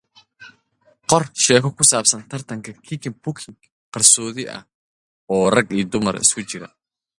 Write a story about a mixed-gender underground kickboxing bout.